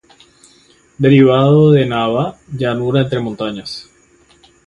Derivado de "nava", "llanura entre montañas".